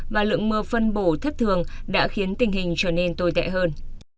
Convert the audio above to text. và lượng mưa phân bổ thất thường đã khiến tình hình trở nên tồi tệ hơn